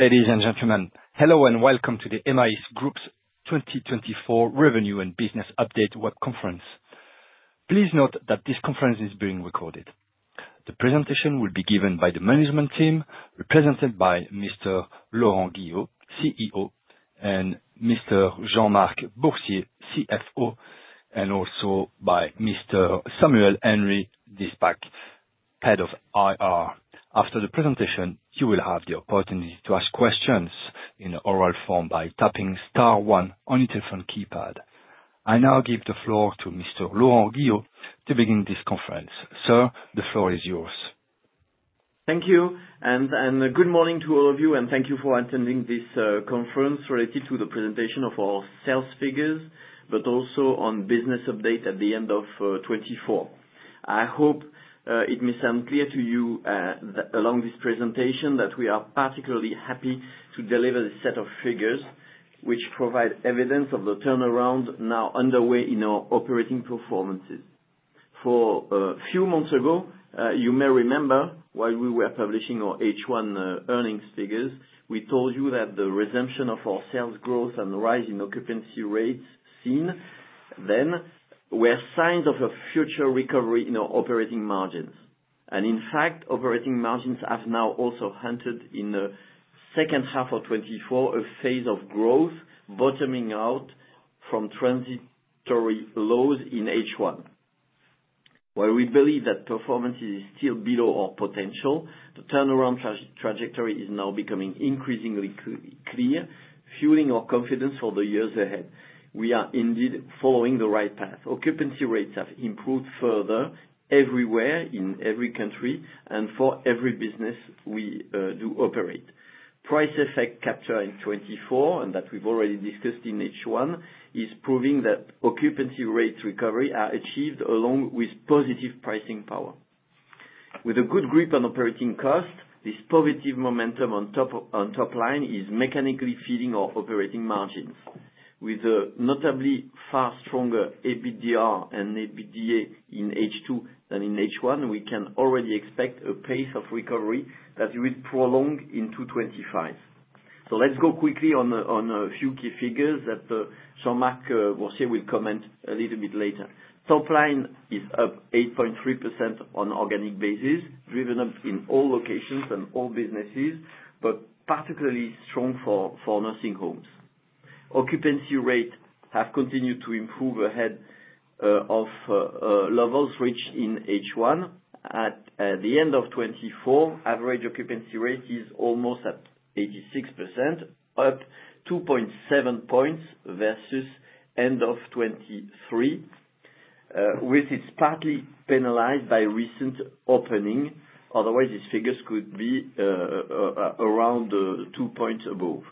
Ladies and gentlemen, hello and welcome to the emeis Group's 2024 Revenue and Business Update Web Conference. Please note that this conference is being recorded. The presentation will be given by the management team, represented by Mr. Laurent Guillot, CEO, and Mr. Jean-Marc Boursier, CFO, and also by Mr. Samuel Henry-Diesbach, Head of IR. After the presentation, you will have the opportunity to ask questions in oral form by tapping star one on your telephone keypad. I now give the floor to Mr. Laurent Guillot to begin this conference. Sir, the floor is yours. Thank you, and good morning to all of you, and thank you for attending this conference related to the presentation of our sales figures, but also on business update at the end of 2024. I hope it may sound clear to you along this presentation that we are particularly happy to deliver a set of figures which provide evidence of the turnaround now underway in our operating performances. A few months ago, you may remember while we were publishing our H1 earnings figures, we told you that the resumption of our sales growth and the rise in occupancy rates seen then were signs of a future recovery in our operating margins, and in fact, operating margins have now also entered in the second half of 2024 a phase of growth bottoming out from transitory lows in H1. While we believe that performance is still below our potential, the turnaround trajectory is now becoming increasingly clear, fueling our confidence for the years ahead. We are indeed following the right path. Occupancy rates have improved further everywhere in every country and for every business we do operate. Price effect capture in 2024, and that we've already discussed in H1, is proving that occupancy rate recovery is achieved along with positive pricing power. With a good grip on operating costs, this positive momentum on top line is mechanically feeding our operating margins. With a notably far stronger EBITDA in H2 than in H1, we can already expect a pace of recovery that will prolong into 2025. So let's go quickly on a few key figures that Jean-Marc Boursier will comment a little bit later. Top line is up 8.3% on organic basis, driven up in all locations and all businesses, but particularly strong for nursing homes. Occupancy rates have continued to improve ahead of levels reached in H1. At the end of 2024, average occupancy rate is almost at 86%, up 2.7 points versus end of 2023, with it partly penalized by recent opening. Otherwise, these figures could be around two points above.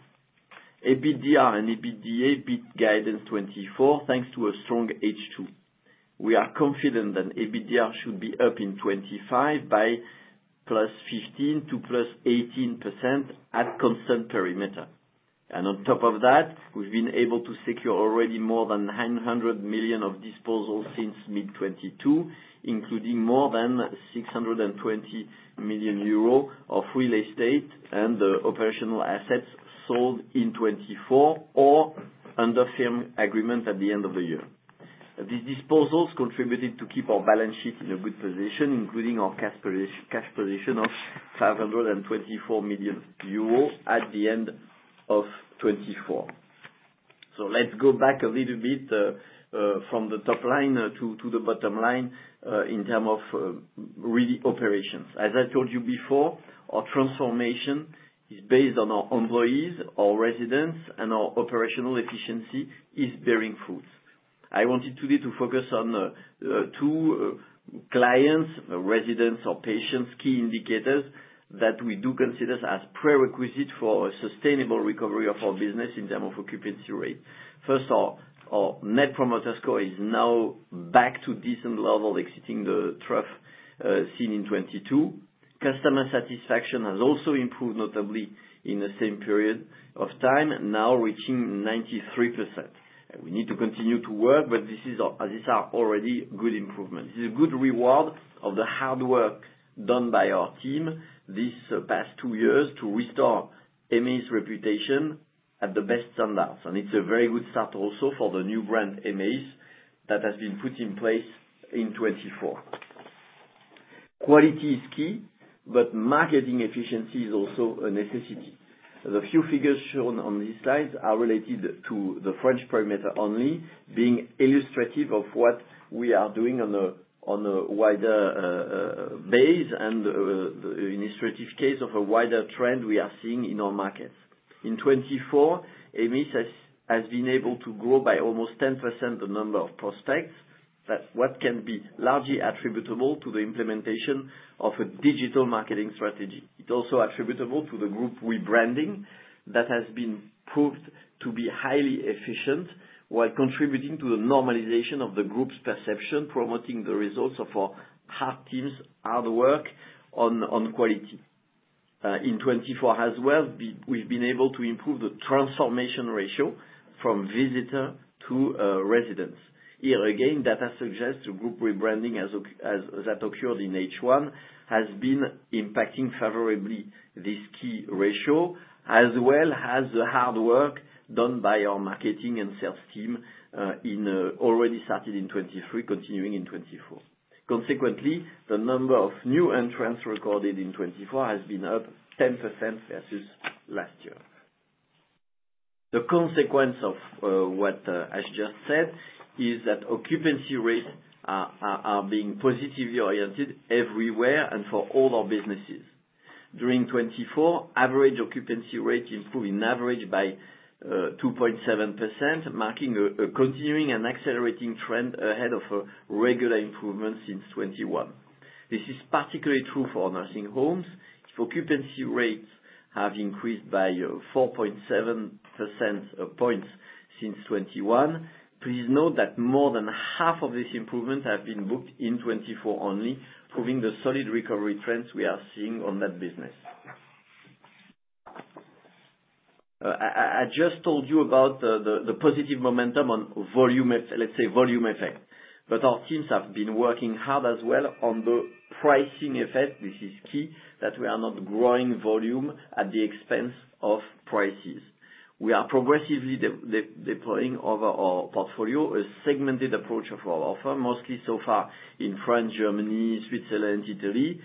EBITDA beat guidance 2024 thanks to a strong H2. We are confident that EBITDA should be up in 2025 by +15% to +18% at constant perimeter. On top of that, we've been able to secure already more than 900 million of disposals since mid-2022, including more than 620 million euro of real estate and operational assets sold in 2024 or under firm agreement at the end of the year. These disposals contributed to keep our balance sheet in a good position, including our cash position of 524 million euros at the end of 2024. So let's go back a little bit from the top line to the bottom line in terms of really operations. As I told you before, our transformation is based on our employees, our residents, and our operational efficiency is bearing fruit. I wanted today to focus on two clients, residents, or patients, key indicators that we do consider as prerequisites for a sustainable recovery of our business in terms of occupancy rate. First, our Net Promoter Score is now back to decent level exceeding the trough seen in 2022. Customer satisfaction has also improved notably in the same period of time, now reaching 93%. We need to continue to work, but these are already good improvements. This is a good reward of the hard work done by our team these past two years to restore emeis reputation at the best standards, and it's a very good start also for the new brand emeis that has been put in place in 2024. Quality is key, but marketing efficiency is also a necessity. The few figures shown on these slides are related to the French perimeter only, being illustrative of what we are doing on a wider base and an illustrative case of a wider trend we are seeing in our markets. In 2024, emeis has been able to grow by almost 10% the number of prospects, what can be largely attributable to the implementation of a digital marketing strategy. It's also attributable to the group rebranding that has been proved to be highly efficient while contributing to the normalization of the group's perception, promoting the results of our staff team's hard work on quality. In 2024 as well, we've been able to improve the transformation ratio from visitor to residents. Here again, data suggests the group rebranding that occurred in H1 has been impacting favorably this key ratio, as well as the hard work done by our marketing and sales team, which already started in 2023, continuing in 2024. Consequently, the number of new entrants recorded in 2024 has been up 10% versus last year. The consequence of what I just said is that occupancy rates are being positively oriented everywhere and for all our businesses. During 2024, average occupancy rate improved on average by 2.7%, marking a continuing and accelerating trend ahead of a regular improvement since 2021. This is particularly true for nursing homes. If occupancy rates have increased by 4.7 percentage points since 2021, please note that more than half of these improvements have been booked in 2024 only, proving the solid recovery trends we are seeing on that business. I just told you about the positive momentum on, let's say, volume effect. But our teams have been working hard as well on the pricing effect. This is key, that we are not growing volume at the expense of prices. We are progressively deploying over our portfolio a segmented approach of our offer, mostly so far in France, Germany, Switzerland, Italy.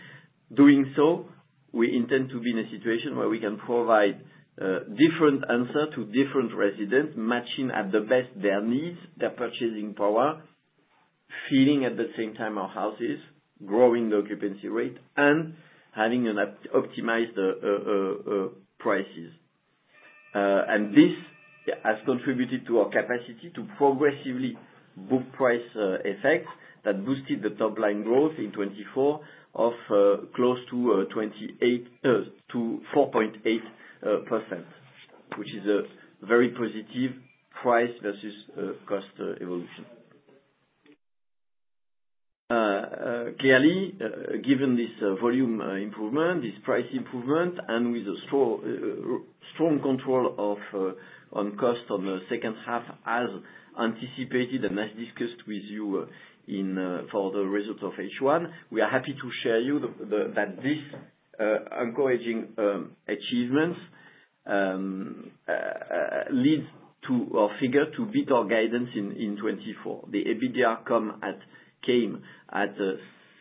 Doing so, we intend to be in a situation where we can provide different answers to different residents, matching at the best their needs, their purchasing power, feeding at the same time our houses, growing the occupancy rate, and having optimized prices. And this has contributed to our capacity to progressively book price effects that boosted the top line growth in 2024 of close to 4.8%, which is a very positive price versus cost evolution. Clearly, given this volume improvement, this price improvement, and with a strong control on cost on the second half, as anticipated and as discussed with you for the result of H1, we are happy to share you that these encouraging achievements lead to our figure to beat our guidance in 2024. The EBITDA came at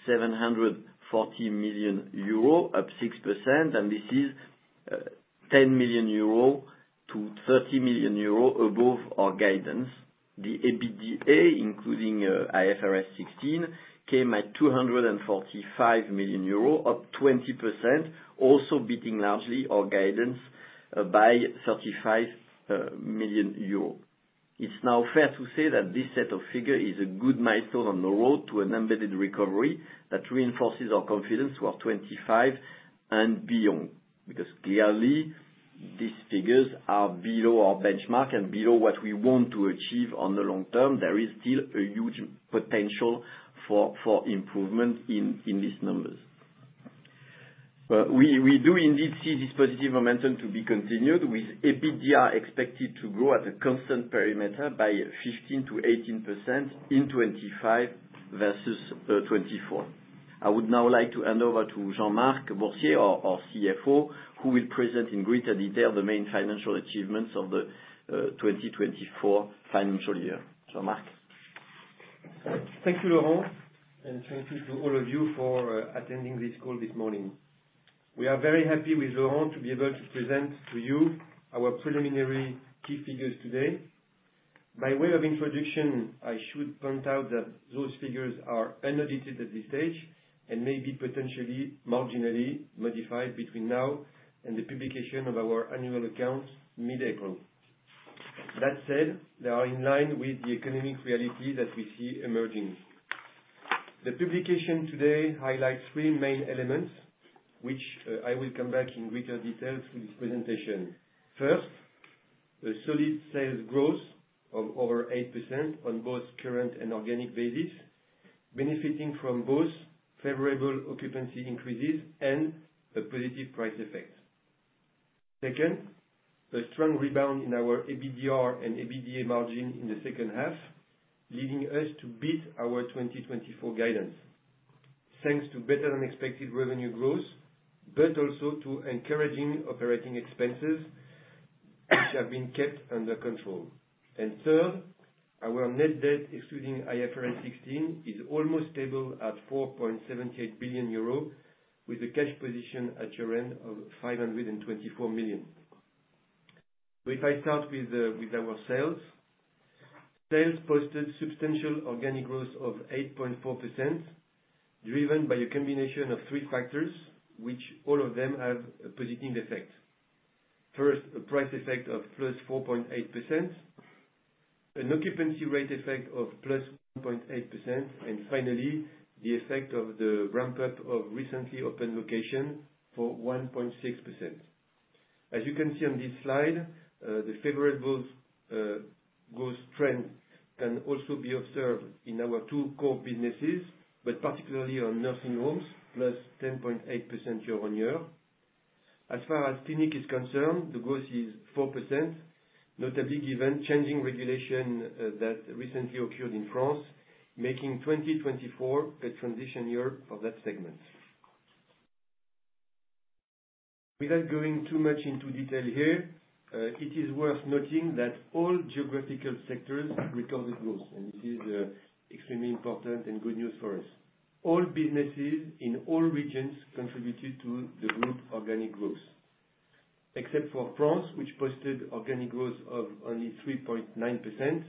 740 million euro, up 6%, and this is 10 million euro to 30 million above our guidance. The EBITDA, including IFRS 16, came at 245 million euro, up 20%, also beating largely our guidance by 35 million euro. It's now fair to say that this set of figures is a good milestone on the road to an embedded recovery that reinforces our confidence to our 2025 and beyond. Because clearly, these figures are below our benchmark and below what we want to achieve on the long term. There is still a huge potential for improvement in these numbers. We do indeed see this positive momentum to be continued, with EBITDA expected to grow at a constant perimeter by 15% to 18% in 2025 versus 2024. I would now like to hand over to Jean-Marc Boursier, our CFO, who will present in greater detail the main financial achievements of the 2024 financial year. Jean-Marc? Thank you, Laurent, and thank you to all of you for attending this call this morning. We are very happy with Laurent to be able to present to you our preliminary key figures today. By way of introduction, I should point out that those figures are unedited at this stage and may be potentially marginally modified between now and the publication of our annual accounts mid-April. That said, they are in line with the economic reality that we see emerging. The publication today highlights three main elements, which I will come back in greater detail to this presentation. First, a solid sales growth of over 8% on both current and organic basis, benefiting from both favorable occupancy increases and a positive price effect. Second, a strong rebound in our EBITDA and EBITDA margin in the second half, leading us to beat our 2024 guidance, thanks to better-than-expected revenue growth, but also to encouraging operating expenses, which have been kept under control. And third, our net debt, excluding IFRS 16, is almost stable at 4.78 billion euro, with a cash position at year-end of 524 million. If I start with our sales, sales posted substantial organic growth of 8.4%, driven by a combination of three factors, which all of them have a positive effect. First, a price effect of +4.8%, an occupancy rate effect of +1.8%, and finally, the effect of the ramp-up of recently opened locations for 1.6%. As you can see on this slide, the favorable growth trend can also be observed in our two core businesses, but particularly on nursing homes, +10.8% year-on-year. As far as clinic is concerned, the growth is 4%, notably given changing regulation that recently occurred in France, making 2024 a transition year for that segment. Without going too much into detail here, it is worth noting that all geographical sectors recorded growth, and this is extremely important and good news for us. All businesses in all regions contributed to the group organic growth, except for France, which posted organic growth of only 3.9%,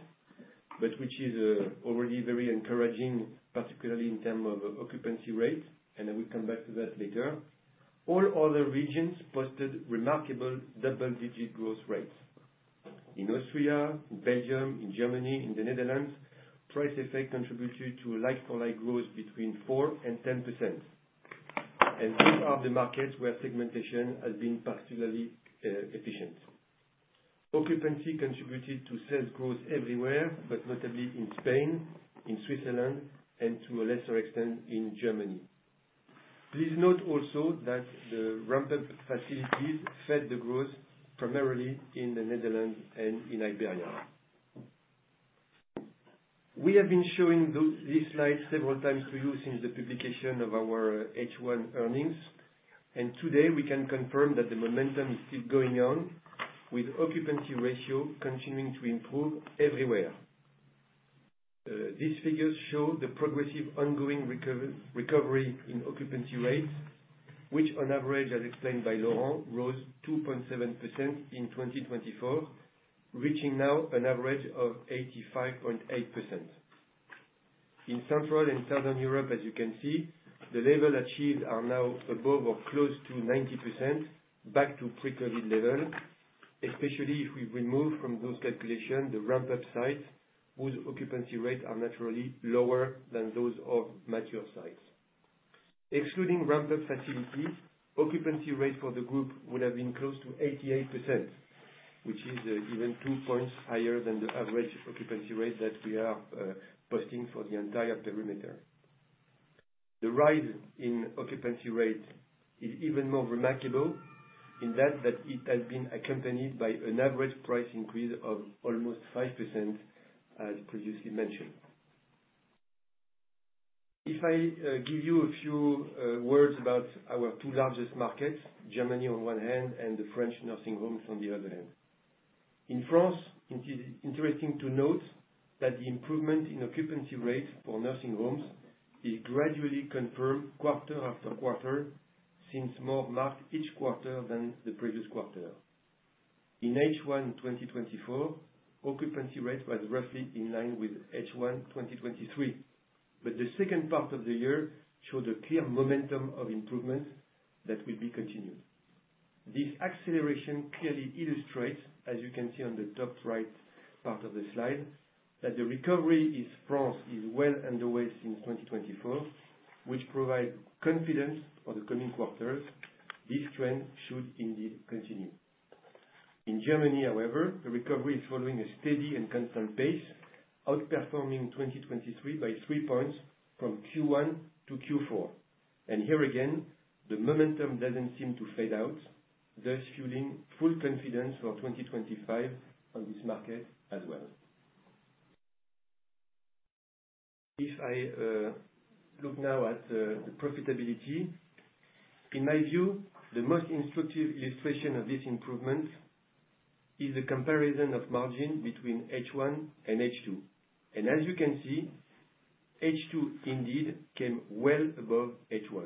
but which is already very encouraging, particularly in terms of occupancy rate, and I will come back to that later. All other regions posted remarkable double-digit growth rates. In Austria, in Belgium, in Germany, in the Netherlands, price effect contributed to like-for-like growth between 4% to 10%, and these are the markets where segmentation has been particularly efficient. Occupancy contributed to sales growth everywhere, but notably in Spain, in Switzerland, and to a lesser extent in Germany. Please note also that the ramp-up facilities fed the growth primarily in the Netherlands and in Iberia. We have been showing these slides several times to you since the publication of our H1 earnings, and today, we can confirm that the momentum is still going on, with occupancy ratio continuing to improve everywhere. These figures show the progressive ongoing recovery in occupancy rates, which, on average, as explained by Laurent, rose 2.7% in 2024, reaching now an average of 85.8%. In Central and Southern Europe, as you can see, the level achieved are now above or close to 90%, back to pre-COVID level, especially if we remove from those calculations the ramp-up sites whose occupancy rates are naturally lower than those of mature sites. Excluding ramp-up facilities, occupancy rates for the group would have been close to 88%, which is even two points higher than the average occupancy rate that we are posting for the entire perimeter. The rise in occupancy rate is even more remarkable in that it has been accompanied by an average price increase of almost 5%, as previously mentioned. If I give you a few words about our two largest markets, Germany on one hand and the French nursing homes on the other hand. In France, it is interesting to note that the improvement in occupancy rates for nursing homes is gradually confirmed quarter after quarter and is more marked each quarter than the previous quarter. In H1 2024, occupancy rates were roughly in line with H1 2023, but the second part of the year showed a clear momentum of improvement that will be continued. This acceleration clearly illustrates, as you can see on the top right part of the slide, that the recovery in France is well underway since 2024, which provides confidence for the coming quarters. This trend should indeed continue. In Germany, however, the recovery is following a steady and constant pace, outperforming 2023 by three points from Q1 to Q4. And here again, the momentum doesn't seem to fade out, thus fueling full confidence for 2025 on this market as well. If I look now at the profitability, in my view, the most instructive illustration of this improvement is the comparison of margin between H1 and H2. And as you can see, H2 indeed came well above H1.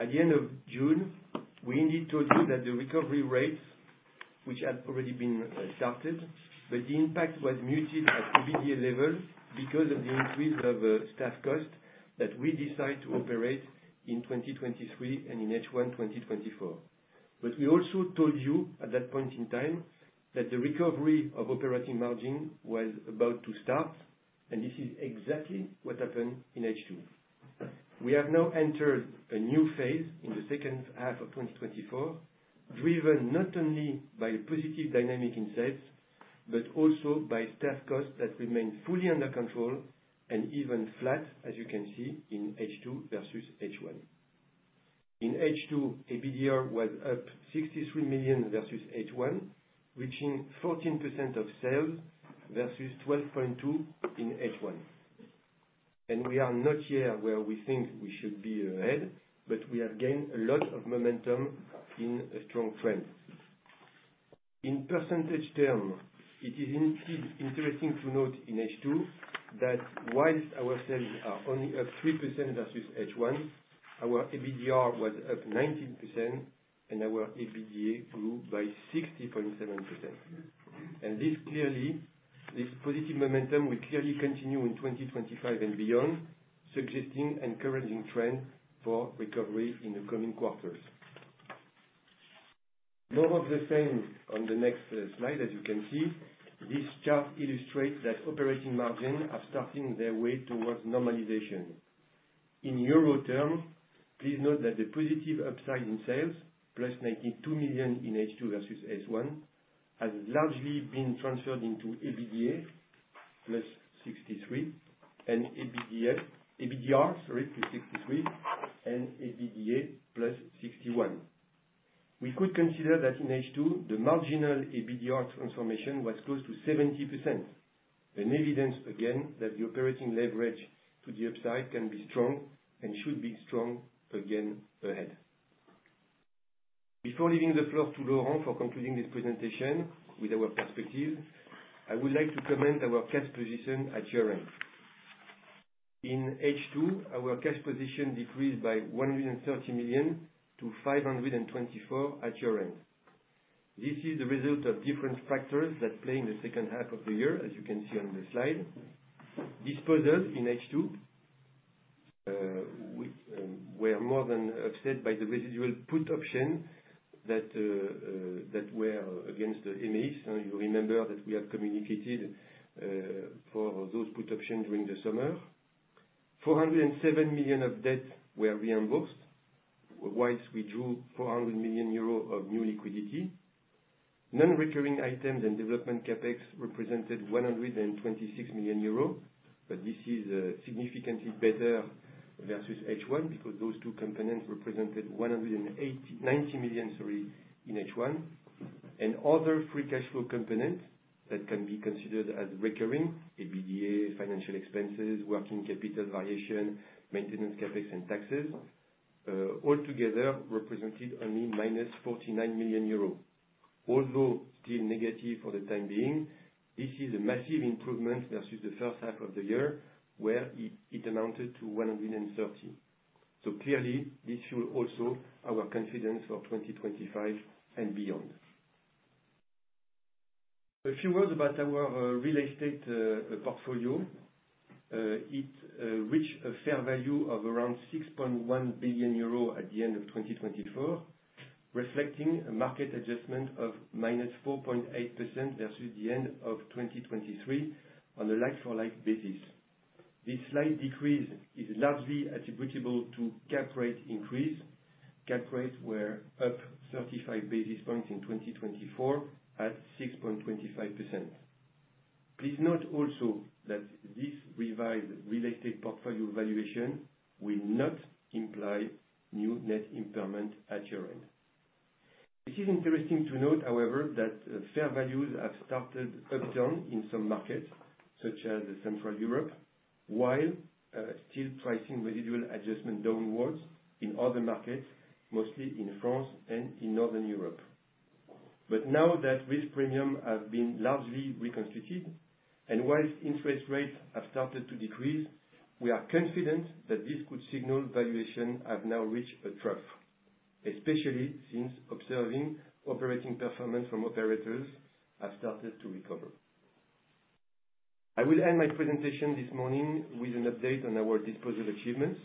At the end of June, we indeed told you that the recovery rates, which had already been started, but the impact was muted at EBITDA level because of the increase of staff cost that we decided to operate in 2023 and in H1 2024. But we also told you at that point in time that the recovery of operating margin was about to start, and this is exactly what happened in H2. We have now entered a new phase in the second half of 2024, driven not only by positive dynamic insights, but also by staff costs that remain fully under control and even flat, as you can see, in H2 versus H1. In H2, EBITDA was up 63 million versus H1, reaching 14% of sales versus 12.2% in H1. We are not yet where we think we should be ahead, but we have gained a lot of momentum in a strong trend. In percentage terms, it is indeed interesting to note in H2 that while our sales are only up 3% versus H1, our EBITDA was up 19%, and our EBITDA grew by 60.7%. This positive momentum will clearly continue in 2025 and beyond, suggesting an encouraging trend for recovery in the coming quarters. More of the same on the next slide, as you can see. This chart illustrates that operating margins are starting their way towards normalization. In euro terms, please note that the positive upside in sales, +92 million in H2 versus H1, has largely been transferred into EBITDA, +63 million, and EBITDA, sorry, to 63 million, and EBITDA, +61 million. We could consider that in H2, the marginal EBITDA transformation was close to 70%, an evidence again that the operating leverage to the upside can be strong and should be strong again ahead. Before leaving the floor to Laurent for concluding this presentation with our perspectives, I would like to comment on our cash position at year-end. In H2, our cash position decreased by 130 million to 524 million at year-end. This is the result of different factors that play in the second half of the year, as you can see on the slide. Disposals in H2 were more than offset by the residual put options that were against the emeis. You remember that we have communicated for those put options during the summer. 407 million of debt were reimbursed, while we drew 400 million euro of new liquidity. Non-recurring items and development CapEx represented 126 million euros, but this is significantly better versus H1 because those two components represented 190 million, sorry, in H1. And other free cash flow components that can be considered as recurring: EBITDA, financial expenses, working capital variation, maintenance CapEx, and taxes, altogether represented only -49 million euros. Although still negative for the time being, this is a massive improvement versus the first half of the year, where it amounted to 130 million. So clearly, this fueled also our confidence for 2025 and beyond. A few words about our real estate portfolio. It reached a fair value of around 6.1 billion euro at the end of 2024, reflecting a market adjustment of -4.8% versus the end of 2023 on a like-for-like basis. This slight decrease is largely attributable to cap rate increase. Cap rates were up 35 basis points in 2024 at 6.25%. Please note also that this revised real estate portfolio valuation will not imply new net impairment at year-end. It is interesting to note, however, that fair values have started upturn in some markets, such as Central Europe, while still pricing residual adjustment downwards in other markets, mostly in France and in Northern Europe. But now that risk premiums have been largely reconstituted, and while interest rates have started to decrease, we are confident that this could signal valuations have now reached a trough, especially since observing operating performance from operators have started to recover. I will end my presentation this morning with an update on our disposal achievements.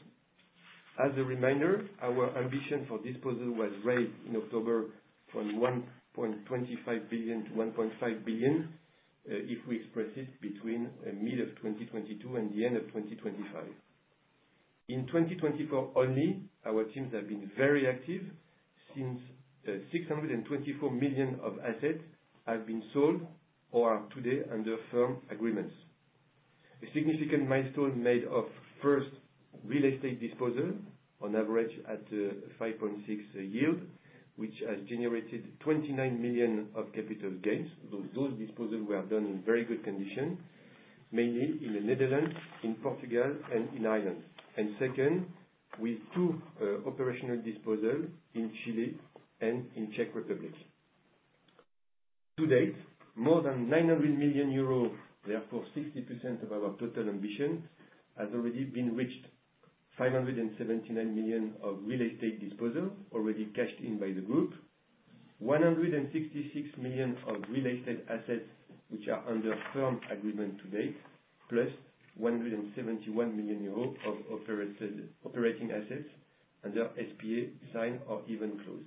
As a reminder, our ambition for disposal was raised in October from 1.25 billion to 1.5 billion, if we express it, between the mid-2022 and the end of 2025. In 2024 only, our teams have been very active since 624 million of assets have been sold or are today under firm agreements. A significant milestone made of first real estate disposal, on average at 5.6% yield, which has generated 29 million of capital gains, though those disposals were done in very good condition, mainly in the Netherlands, in Portugal, and in Ireland. And second, with two operational disposals in Chile and in the Czech Republic. To date, more than 900 million euros, therefore 60% of our total ambition, has already been reached: 579 million of real estate disposals already cashed in by the group, 166 million of real estate assets which are under firm agreement to date, plus 171 million euros of operating assets under SPA signed or even closed.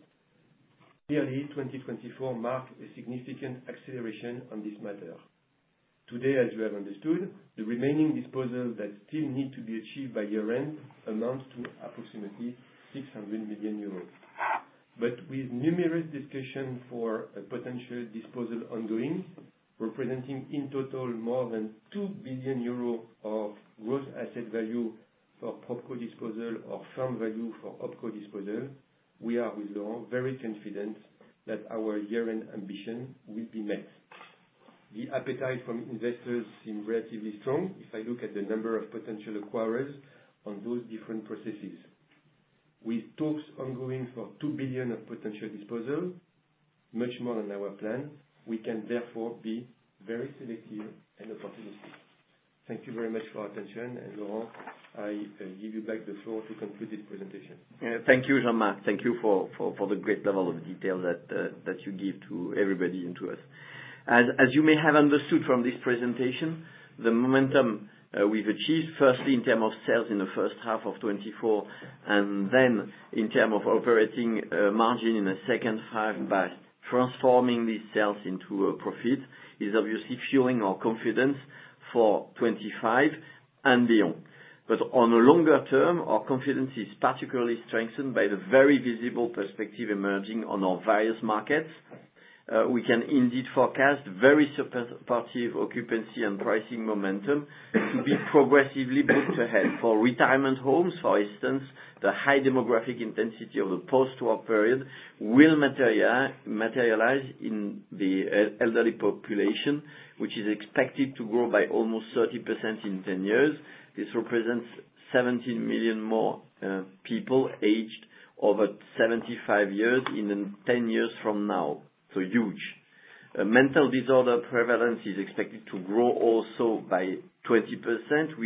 Clearly, 2024 marked a significant acceleration on this matter. Today, as you have understood, the remaining disposals that still need to be achieved by year-end amount to approximately 600 million euros. But with numerous discussions for a potential disposal ongoing, representing in total more than 2 billion euros of gross asset value for Propco disposal or firm value for Opco disposal, we are, with Laurent, very confident that our year-end ambition will be met. The appetite from investors seems relatively strong if I look at the number of potential acquirers on those different processes. With talks ongoing for 2 billion of potential disposals, much more than our plan, we can therefore be very selective and opportunistic. Thank you very much for your attention, and Laurent, I give you back the floor to conclude this presentation. Thank you, Jean-Marc. Thank you for the great level of detail that you give to everybody and to us. As you may have understood from this presentation, the momentum we've achieved, firstly in terms of sales in the first half of 2024, and then in terms of operating margin in the second half by transforming these sales into profit, is obviously fueling our confidence for 2025 and beyond. But on a longer term, our confidence is particularly strengthened by the very visible perspective emerging on our various markets. We can indeed forecast very supportive occupancy and pricing momentum to be progressively put ahead. For retirement homes, for instance, the high demographic intensity of the post-war period will materialize in the elderly population, which is expected to grow by almost 30% in 10 years. This represents 17 million more people aged over 75 years in 10 years from now. So huge. Mental disorder prevalence is expected to grow also by 20%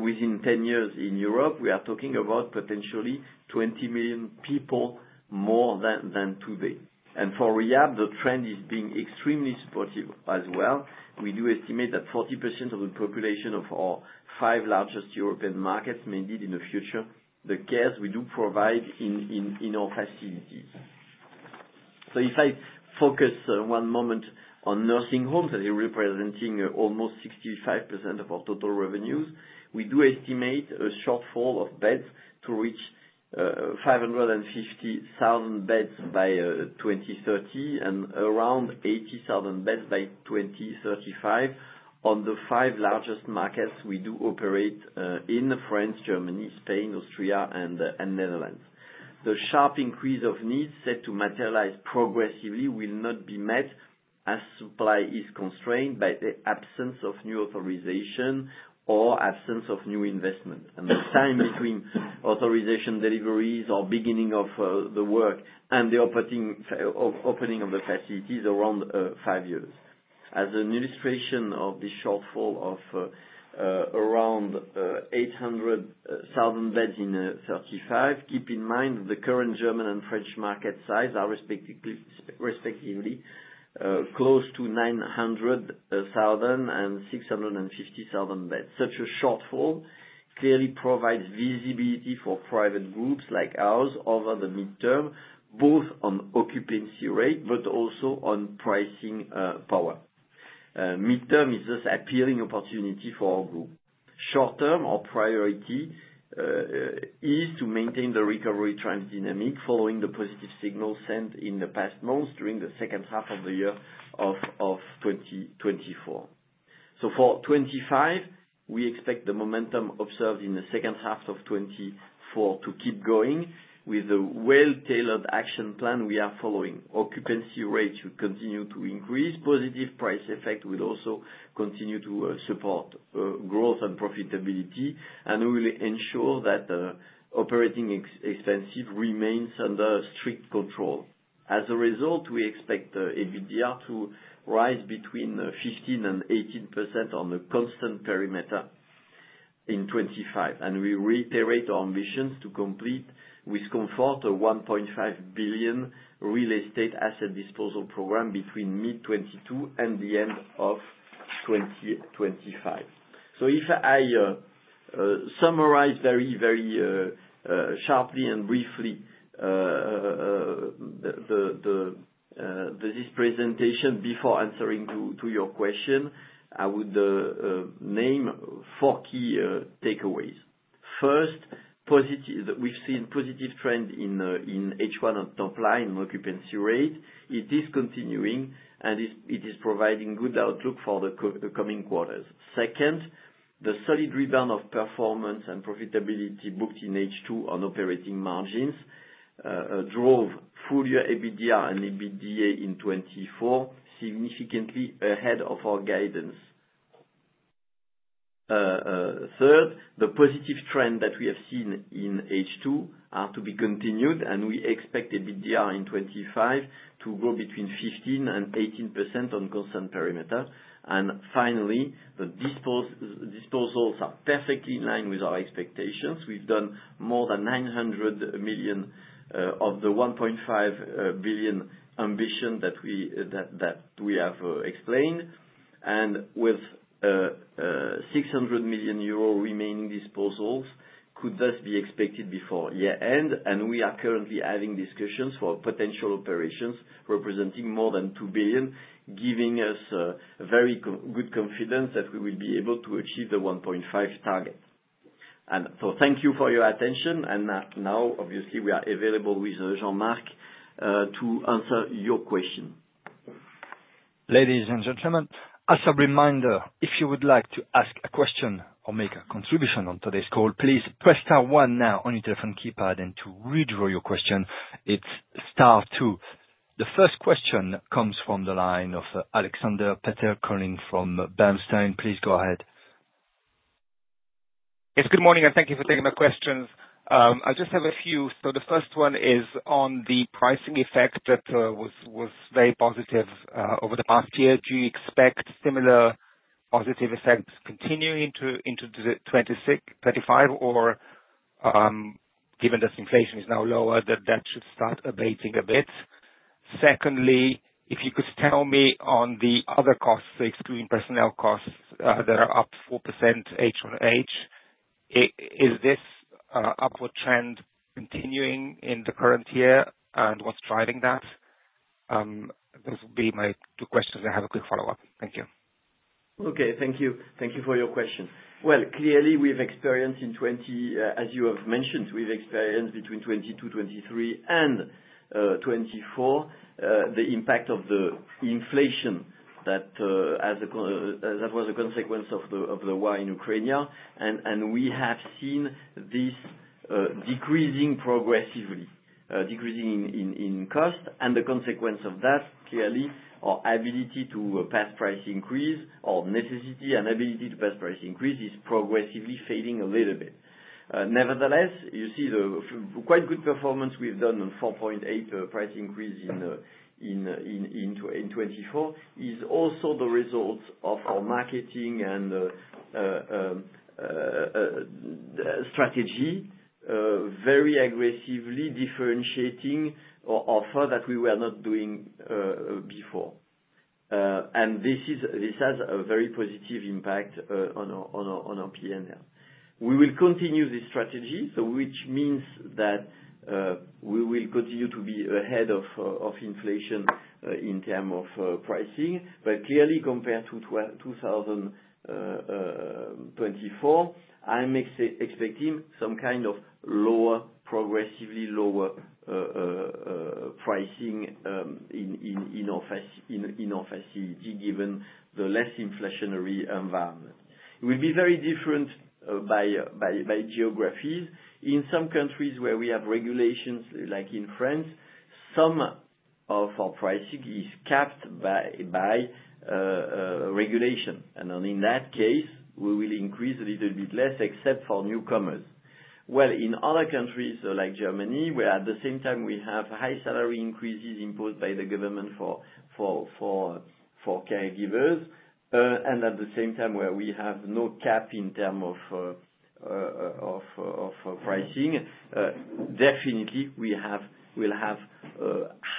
within 10 years in Europe. We are talking about potentially 20 million people more than today, and for rehab, the trend is being extremely supportive as well. We do estimate that 40% of the population of our five largest European markets may need in the future the care we do provide in our facilities, so if I focus one moment on nursing homes, as you're representing almost 65% of our total revenues, we do estimate a shortfall of beds to reach 550,000 beds by 2030 and around 80,000 beds by 2035 on the five largest markets we do operate in: France, Germany, Spain, Austria, and Netherlands. The sharp increase of needs set to materialize progressively will not be met as supply is constrained by the absence of new authorization or absence of new investment, and the time between authorization deliveries or beginning of the work and the opening of the facilities is around five years. As an illustration of this shortfall of around 800,000 beds in 2035, keep in mind the current German and French market sizes are respectively close to 900,000 and 650,000 beds. Such a shortfall clearly provides visibility for private groups like ours over the midterm, both on occupancy rate but also on pricing power. Midterm is this appealing opportunity for our group. Short-term, our priority is to maintain the recovery trend dynamic following the positive signals sent in the past months during the second half of the year of 2024. So for 2025, we expect the momentum observed in the second half of 2024 to keep going with the well-tailored action plan we are following. Occupancy rates will continue to increase. Positive price effect will also continue to support growth and profitability, and we will ensure that operating expenses remain under strict control. As a result, we expect EBITDA to rise between 15% and 18% on the constant perimeter in 2025, and we reiterate our ambitions to complete with comfort a 1.5 billion real estate asset disposal program between mid-2022 and the end of 2025, so if I summarize very, very sharply and briefly this presentation before answering to your question, I would name four key takeaways. First, we've seen a positive trend in H1 on top line occupancy rate. It is continuing, and it is providing good outlook for the coming quarters. Second, the solid rebound of performance and profitability booked in H2 on operating margins drove full-year EBITDA and EBITDA in 2024, significantly ahead of our guidance. Third, the positive trend that we have seen in H2 is to be continued, and we expect EBITDA in 2025 to grow between 15% and 18% on constant perimeter. And finally, the disposals are perfectly in line with our expectations. We've done more than 900 million of the 1.5 billion ambition that we have explained. And with 600 million euro remaining disposals, could thus be expected before year-end. And we are currently having discussions for potential operations representing more than 2 billion, giving us very good confidence that we will be able to achieve the 1.5 target. And so thank you for your attention. And now, obviously, we are available with Jean-Marc to answer your question. Ladies and gentlemen, as a reminder, if you would like to ask a question or make a contribution on today's call, please press star one now on your telephone keypad, and to withdraw your question, it's star two. The first question comes from the line of Aleksander Peterc from Bernstein. Please go ahead. Yes, good morning, and thank you for taking my questions. I just have a few. So the first one is on the pricing effect that was very positive over the past year. Do you expect similar positive effects continuing into 2026, 2025, or given that inflation is now lower, that should start abating a bit? Secondly, if you could tell me on the other costs, excluding personnel costs, that are up 4% year-on-year, is this upward trend continuing in the current year? And what's driving that? Those would be my two questions. I havea quick follow-up. Thank you. Okay. Thank you. Thank you for your question. Well, clearly, we've experienced in 2020, as you have mentioned, we've experienced between 2022, 2023, and 2024, the impact of the inflation that was a consequence of the war in Ukraine. And we have seen this decreasing progressively, decreasing in cost. The consequence of that, clearly, our ability to pass price increase or necessity and ability to pass price increase is progressively fading a little bit. Nevertheless, you see the quite good performance we've done on 4.8% price increase in 2024 is also the result of our marketing and strategy, very aggressively differentiating our offer that we were not doing before. This has a very positive impact on our P&L. We will continue this strategy, which means that we will continue to be ahead of inflation in terms of pricing. Clearly, compared to 2024, I'm expecting some kind of lower, progressively lower pricing in our facility given the less inflationary environment. It will be very different by geographies. In some countries where we have regulations, like in France, some of our pricing is capped by regulation. In that case, we will increase a little bit less, except for newcomers. In other countries like Germany, where at the same time we have high salary increases imposed by the government for caregivers, and at the same time where we have no cap in terms of pricing, definitely we will have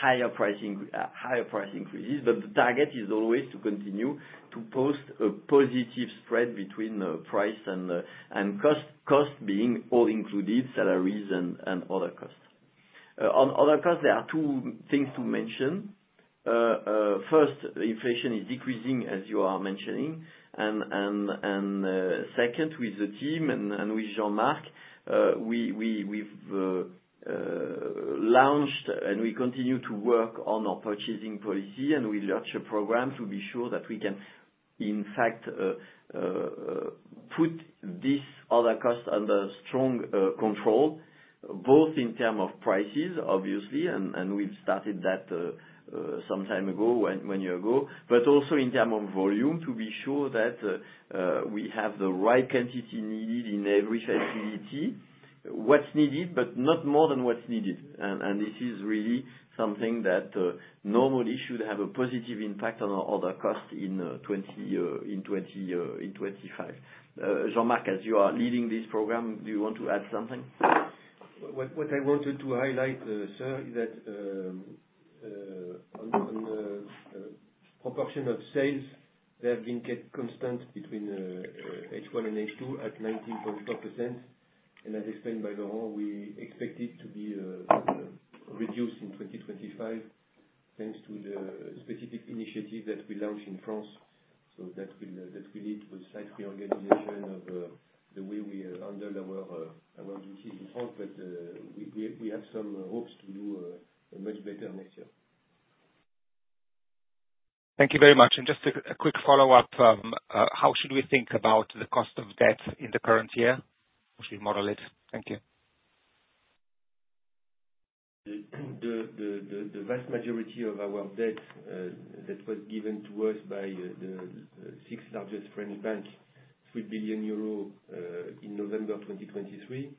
higher price increases. But the target is always to continue to post a positive spread between price and cost, cost being all included, salaries and other costs. On other costs, there are two things to mention. First, inflation is decreasing, as you are mentioning. And second, with the team and with Jean-Marc, we've launched and we continue to work on our purchasing policy, and we launched a program to be sure that we can, in fact, put these other costs under strong control, both in terms of prices, obviously, and we've started that some time ago, one year ago, but also in terms of volume to be sure that we have the right quantity needed in every facility, what's needed, but not more than what's needed. And this is really something that normally should have a positive impact on our other costs in 2025. Jean-Marc, as you are leading this program, do you want to add something? What I wanted to highlight, sir, is that on the proportion of sales, they have been kept constant between H1 and H2 at 19.4%. As explained by Laurent, we expect it to be reduced in 2025 thanks to the specific initiative that we launched in France. So that will lead to a slight reorganization of the way we handle our duties in France. But we have some hopes to do much better next year. Thank you very much. And just a quick follow-up. How should we think about the cost of debt in the current year? How should we model it? Thank you. The vast majority of our debt that was given to us by the six largest French banks, 3 billion euro in November 2023,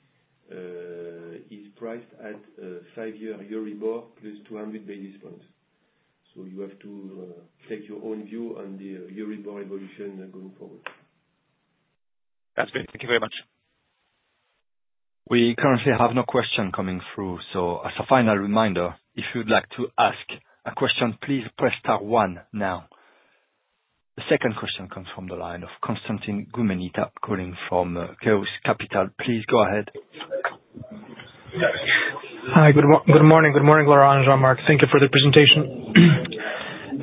is priced at a five-year Euribor plus 200 basis points. So you have to take your own view on the Euribor evolution going forward. That's great. Thank you very much. We currently have no question coming through. So as a final reminder, if you'd like to ask a question, please press star one now. The second question comes from the line of Constantin Gumenita calling from Caius Capital. Please go ahead. Hi. Good morning. Good morning, Laurent and Jean-Marc, thank you for the presentation.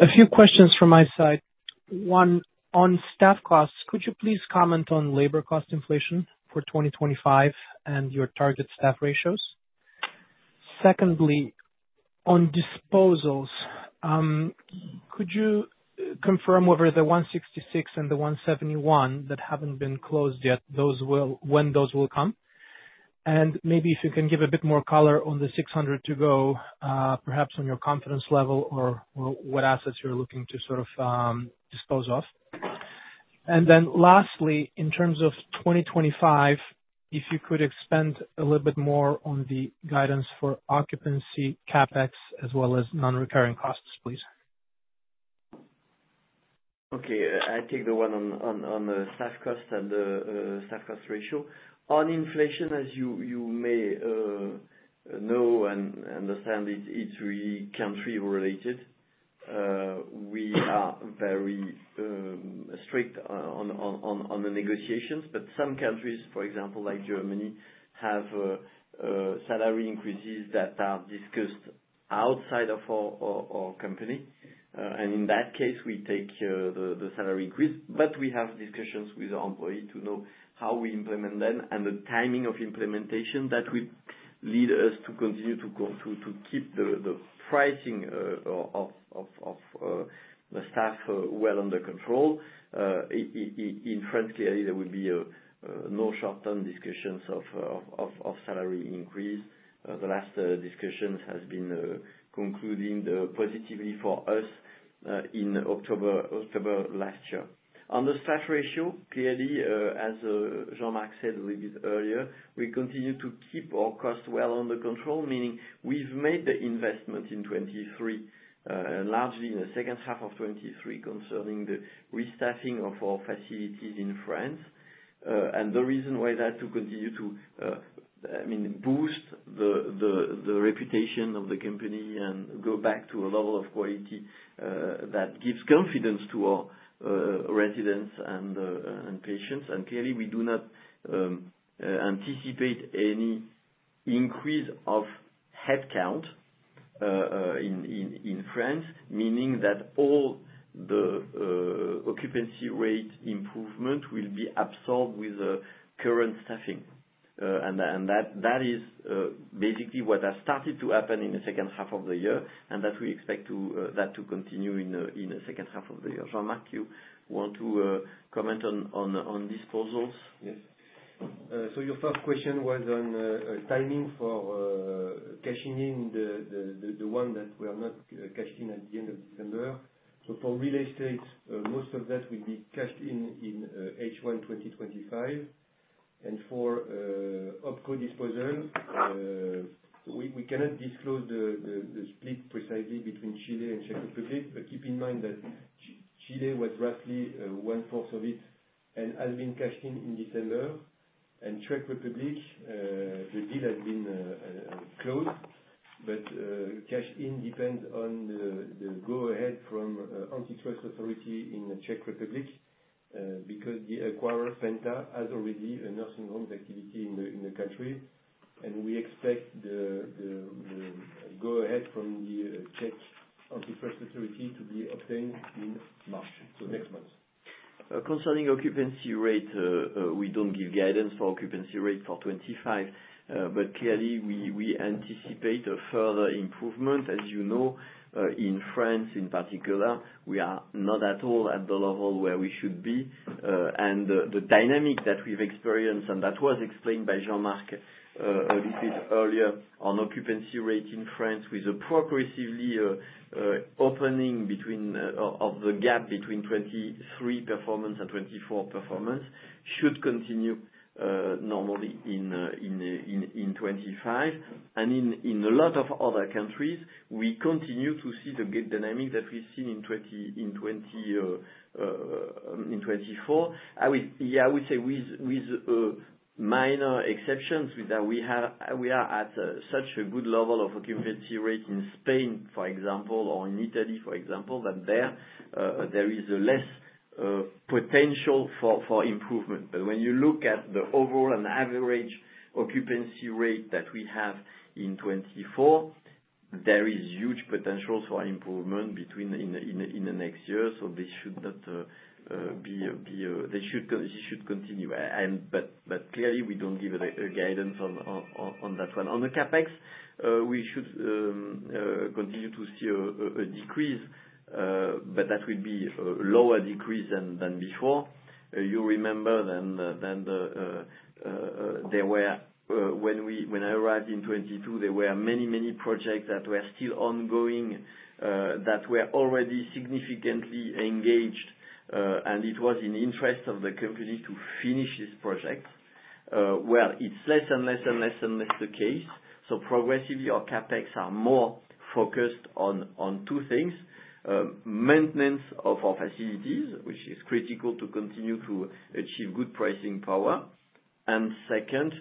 A few questions from my side. One, on staff costs, could you please comment on labor cost inflation for 2025 and your target staff ratios? Secondly, on disposals, could you confirm whether the 166 and the 171 that haven't been closed yet, when those will come? And maybe if you can give a bit more color on the 600 to go, perhaps on your confidence level or what assets you're looking to sort of dispose of. And then lastly, in terms of 2025, if you could expand a little bit more on the guidance for occupancy, CapEx, as well as non-recurring costs, please? Okay. I take the one on the staff cost and the staff cost ratio. On inflation, as you may know and understand, it's really country-related. We are very strict on the negotiations. But some countries, for example, like Germany, have salary increases that are discussed outside of our company. And in that case, we take the salary increase. But we have discussions with our employees to know how we implement them and the timing of implementation that would lead us to continue to keep the pricing of the staff well under control. In France, clearly, there will be no short-term discussions of salary increase. The last discussion has been concluding positively for us in October last year. On the staff ratio, clearly, as Jean-Marc said a little bit earlier, we continue to keep our costs well under control, meaning we've made the investment in 2023, largely in the second half of 2023, concerning the restaffing of our facilities in France. And the reason why that is to continue to, I mean, boost the reputation of the company and go back to a level of quality that gives confidence to our residents and patients. And clearly, we do not anticipate any increase of headcount in France, meaning that all the occupancy rate improvement will be absorbed with the current staffing. And that is basically what has started to happen in the second half of the year, and that we expect that to continue in the second half of the year. Jean-Marc, you want to comment on disposals? Yes. So your first question was on timing for cashing in the one that we are not cashed in at the end of December. So for real estate, most of that will be cashed in H1 2025. And for asset disposal, we cannot disclose the split precisely between Chile and Czech Republic. But keep in mind that Chile was roughly one-fourth of it and has been cashed in in December. And Czech Republic, the deal has been closed. But cash in depends on the go-ahead from the antitrust authority in the Czech Republic because the acquirer, Penta, has already a nursing home activity in the country. And we expect the go-ahead from the Czech antitrust authority to be obtained in March, so next month. Concerning occupancy rate, we don't give guidance for occupancy rate for 2025. But clearly, we anticipate a further improvement. As you know, in France, in particular, we are not at all at the level where we should be. The dynamic that we've experienced, and that was explained by Jean-Marc a little bit earlier on occupancy rate in France, with the progressive opening of the gap between 2023 performance and 2024 performance, should continue normally in 2025. In a lot of other countries, we continue to see the same dynamic that we've seen in 2024. Yeah, I would say with minor exceptions that we are at such a good level of occupancy rate in Spain, for example, or in Italy, for example, that there is less potential for improvement. But when you look at the overall and average occupancy rate that we have in 2024, there is huge potential for improvement in the next year. So this should continue. But clearly, we don't give a guidance on that one. On the CapEx, we should continue to see a decrease, but that will be a lower decrease than before. You remember then there were, when I arrived in 2022, there were many, many projects that were still ongoing that were already significantly engaged. And it was in interest of the company to finish this project. Well, it's less and less and less and less the case. So progressively, our CapEx are more focused on two things: maintenance of our facilities, which is critical to continue to achieve good pricing power. And second,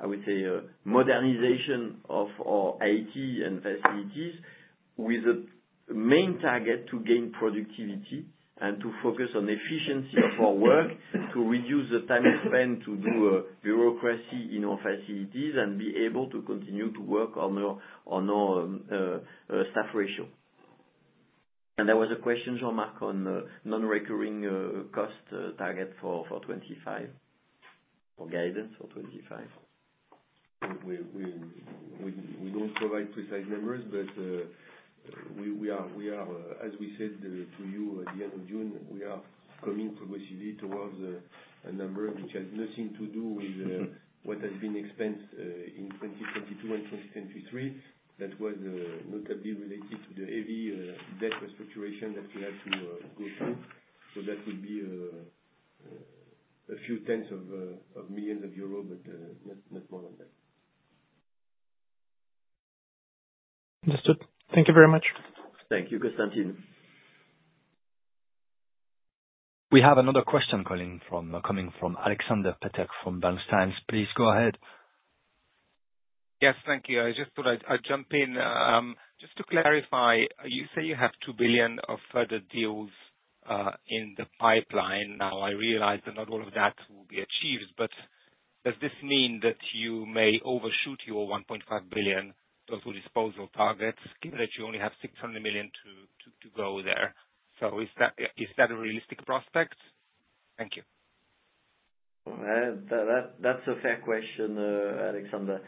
I would say modernization of our IT and facilities with a main target to gain productivity and to focus on efficiency of our work to reduce the time spent to do bureaucracy in our facilities and be able to continue to work on our staff ratio. There was a question, Jean-Marc, on non-recurring cost target for 2025, or guidance for 2025. We don't provide precise numbers, but we are, as we said to you at the end of June, we are coming progressively towards a number which has nothing to do with what has been expensed in 2022 and 2023. That was notably related to the heavy debt restructuring that we had to go through. So that would be a few tens of millions of euros, but not more than that. Understood. Thank you very much. Thank you, Constantin. We have another question coming from Aleksander Peterc from Bernstein. Please go ahead. Yes, thank you. I just thought I'd jump in. Just to clarify, you say you have 2 billion of further deals in the pipeline. Now, I realize that not all of that will be achieved. But does this mean that you may overshoot your 1.5 billion total disposal target, given that you only have 600 million to go there? So is that a realistic prospect? Thank you. That's a fair question, Aleksander.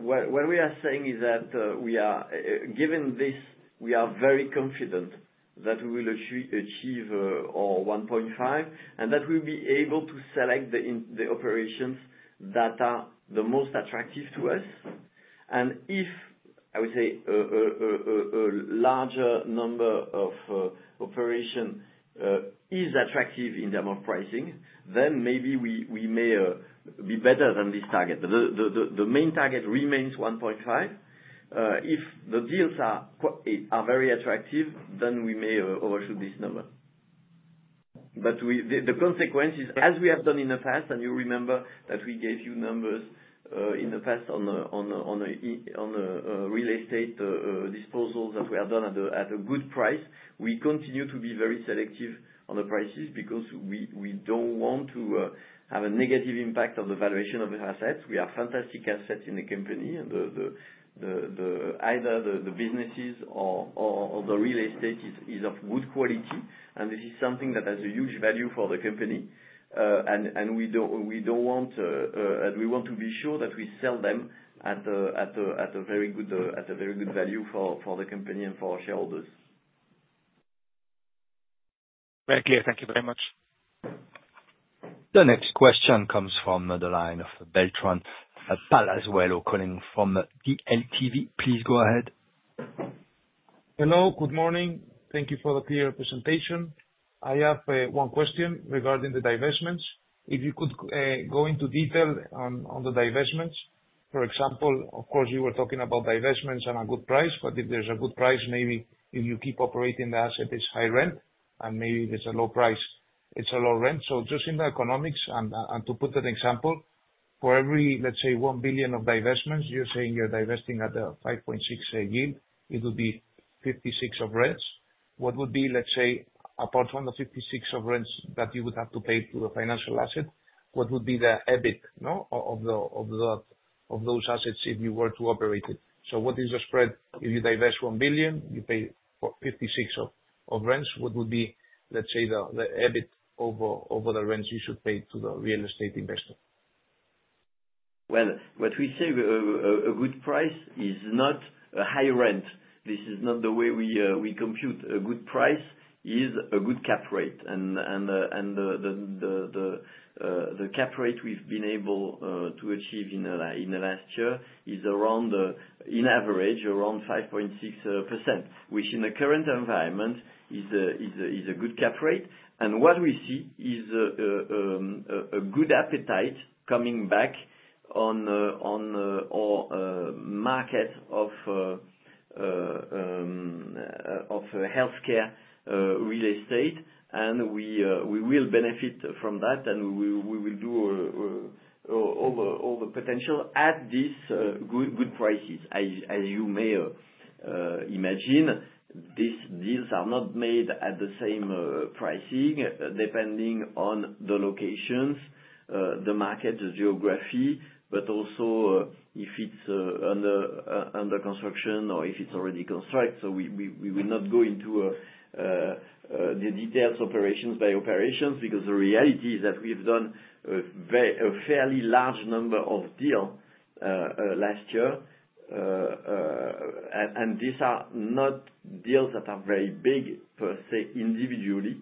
What we are saying is that given this, we are very confident that we will achieve our 1.5, and that we'll be able to select the operations that are the most attractive to us. And if, I would say, a larger number of operations is attractive in terms of pricing, then maybe we may be better than this target. The main target remains 1.5. If the deals are very attractive, then we may overshoot this number. But the consequence is, as we have done in the past, and you remember that we gave you numbers in the past on real estate disposals that were done at a good price, we continue to be very selective on the prices because we don't want to have a negative impact on the valuation of the assets. We have fantastic assets in the company. Either the businesses or the real estate is of good quality. And this is something that has a huge value for the company. And we don't want to be sure that we sell them at a very good value for the company and for our shareholders. Very clear. Thank you very much. The next question comes from the line of Beltran Palazuelo calling from DLTV. Please go ahead. Hello. Good morning. Thank you for the clear presentation. I have one question regarding the divestments. If you could go into detail on the divestments, for example, of course, you were talking about divestments and a good price, but if there's a good price, maybe if you keep operating, the asset is high rent, and maybe if it's a low price, it's a low rent, so just in the economics, and to put that example, for every, let's say, 1 billion of divestments, you're saying you're divesting at a 5.6% yield. It would be 56 million of rents. What would be, let's say, apart from the 56 million of rents that you would have to pay to the financial asset, what would be the EBIT of those assets if you were to operate it? So what is the spread? If you divest 1 billion, you pay 56 million of rents. What would be, let's say, the EBIT over the rents you should pay to the real estate investor? What we say, a good price is not a high rent. This is not the way we compute. A good price is a good cap rate. And the cap rate we've been able to achieve in the last year is, on average, around 5.6%, which in the current environment is a good cap rate. And what we see is a good appetite coming back on our market of healthcare real estate. And we will benefit from that, and we will do all the potential at these good prices. As you may imagine, these deals are not made at the same pricing depending on the locations, the market, the geography, but also if it's under construction or if it's already constructed. So we will not go into the details operations by operations because the reality is that we've done a fairly large number of deals last year. These are not deals that are very big per se individually.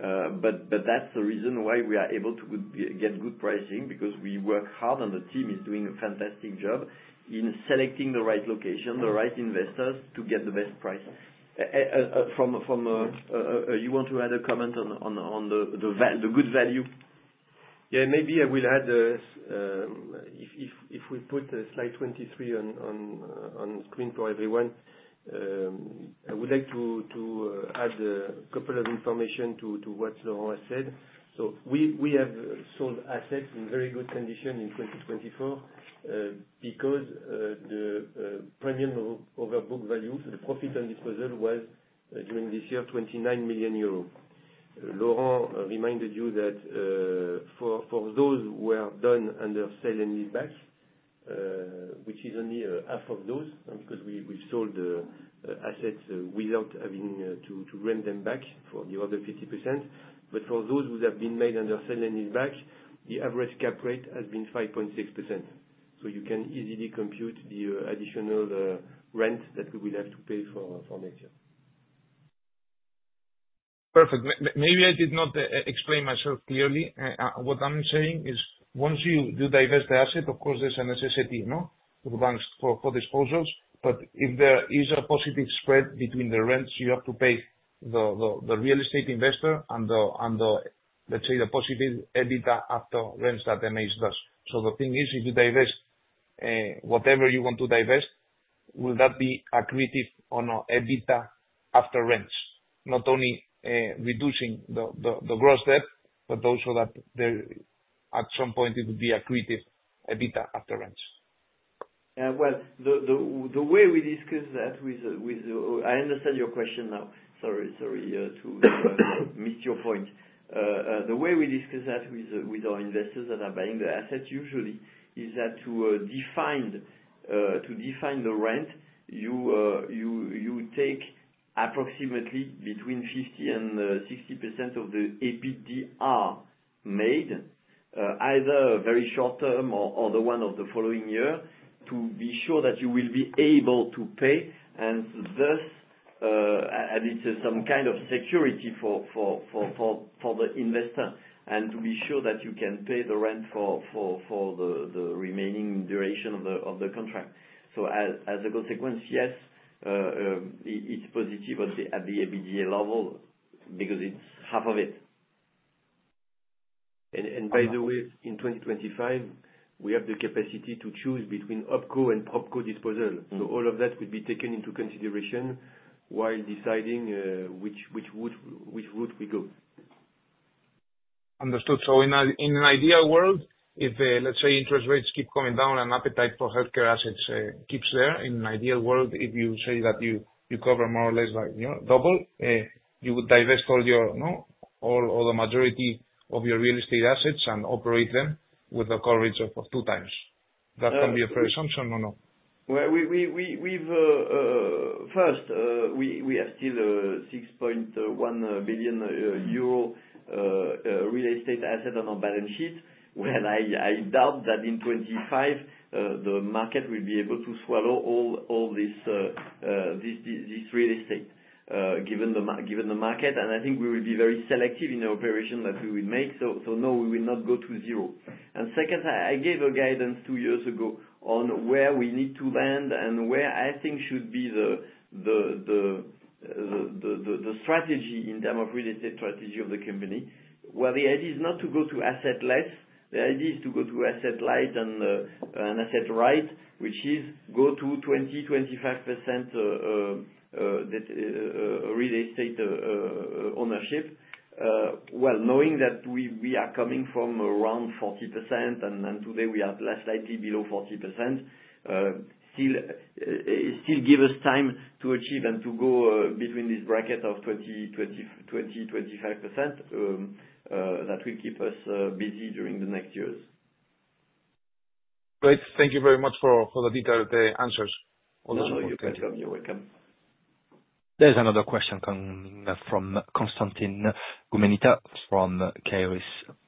That's the reason why we are able to get good pricing because we work hard, and the team is doing a fantastic job in selecting the right location, the right investors to get the best price. You want to add a comment on the good value? Yeah. Maybe I will add if we put Slide 23 on screen for everyone. I would like to add a couple of information to what Laurent has said. So we have sold assets in very good condition in 2024 because the premium over book value, the profit on disposal was during this year, 29 million euros. Laurent reminded you that for those who were done under sale-and-leaseback, which is only half of those because we've sold assets without having to rent them back for the other 50%. But for those who have been made under sale-and-leaseback, the average cap rate has been 5.6%. So you can easily compute the additional rent that we will have to pay for next year. Perfect. Maybe I did not explain myself clearly. What I'm saying is, once you divest the asset, of course, there's a necessity for disposals. But if there is a positive spread between the rents you have to pay the real estate investor and, let's say, the positive EBITDA after rents that emeis does. So the thing is, if you divest whatever you want to divest, will that be accretive on EBITDA after rents, not only reducing the gross debt, but also that at some point, it would be accretive EBITDA after rents? Yeah. Well, the way we discuss that. I understand your question now. Sorry to miss your point. The way we discuss that with our investors that are buying the assets usually is that to define the rent, you take approximately between 50% and 60% of the EBITDA made, either very short term or the one of the following years, to be sure that you will be able to pay. Thus, it's positive at the EBITDA level because it's half of it. By the way, in 2025, we have the capacity to choose between Opco and Propco disposal. All of that would be taken into consideration while deciding which route we go. Understood. So in an ideal world, if, let's say, interest rates keep coming down and appetite for healthcare assets keeps there, in an ideal world, if you say that you cover more or less double, you would divest all your or the majority of your real estate assets and operate them with a coverage of two times. That can be a fair assumption or no? Well, first, we have still 6.1 billion euro real estate assets on our balance sheet. Well, I doubt that in 2025, the market will be able to swallow all this real estate given the market. And I think we will be very selective in the operation that we will make. So no, we will not go to zero. And second, I gave a guidance two years ago on where we need to land and where I think should be the strategy in terms of real estate strategy of the company. Well, the idea is not to go to asset less. The idea is to go to asset light and asset right, which is go to 20% to 25% real estate ownership. Well, knowing that we are coming from around 40%, and today we are slightly below 40%, still give us time to achieve and to go between this bracket of 20% to 25% that will keep us busy during the next years. Great. Thank you very much for the detailed answers. All the support you gave. You're welcome. There's another question coming from Constantin Gumenita from Caius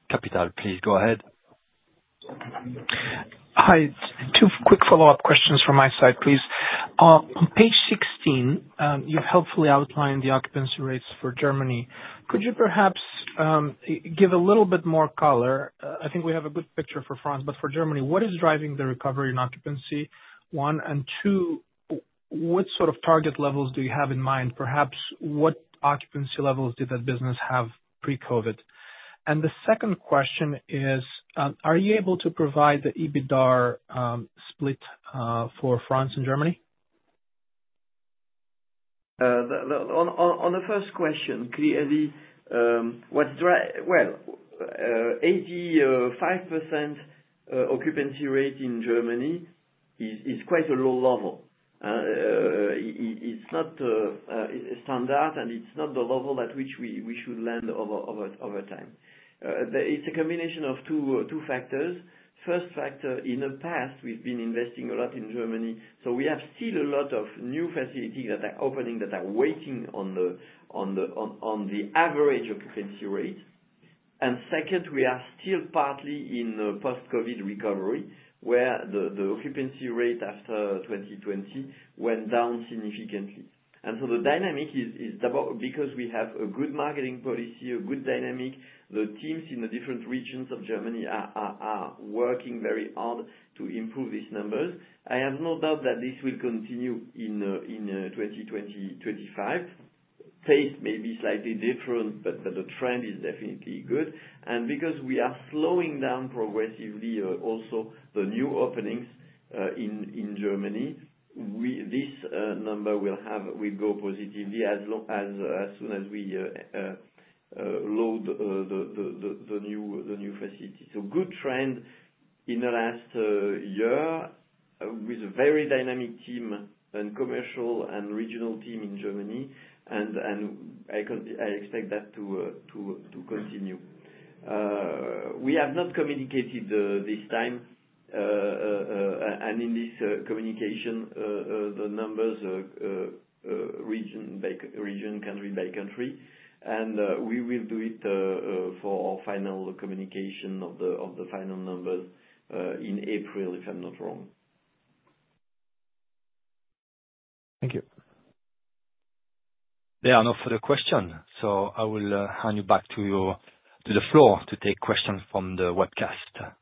Capital. Please go ahead. Hi. Two quick follow-up questions from my side, please. On page 16, you helpfully outlined the occupancy rates for Germany. Could you perhaps give a little bit more color? I think we have a good picture for France, but for Germany, what is driving the recovery in occupancy? One. And two, what sort of target levels do you have in mind? Perhaps what occupancy levels did that business have pre-COVID? And the second question is, are you able to provide the EBITDA split for France and Germany? On the first question, clearly, what's driving? Well, 85% occupancy rate in Germany is quite a low level. It's not standard, and it's not the level at which we should land over time. It's a combination of two factors. First factor, in the past, we've been investing a lot in Germany. So we have still a lot of new facilities that are opening that are waiting on the average occupancy rate. And second, we are still partly in post-COVID recovery where the occupancy rate after 2020 went down significantly. And so the dynamic is because we have a good marketing policy, a good dynamic. The teams in the different regions of Germany are working very hard to improve these numbers. I have no doubt that this will continue in 2025. Pace may be slightly different, but the trend is definitely good. And because we are slowing down progressively also the new openings in Germany, this number will go positively as soon as we load the new facilities. So good trend in the last year with a very dynamic team and commercial and regional team in Germany. And I expect that to continue. We have not communicated this time. And in this communication, the numbers region by country by country. We will do it for our final communication of the final numbers in April, if I'm not wrong. Thank you. There are no further questions. I will hand you back to the floor to take questions from the webcast.